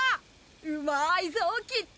うまいぞきっと！